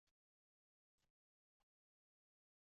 Shoirning hayotiy qadriyatlari tizimida bor.